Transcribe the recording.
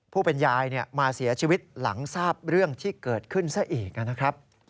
ผู้เป็นยายมาเสียชีวิตหลังทราบเรื่องที่เกิดขึ้นซะอีกนะครับ